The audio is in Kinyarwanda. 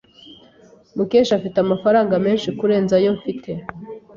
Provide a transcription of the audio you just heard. Mukesha afite amafaranga menshi kurenza ayo mfite.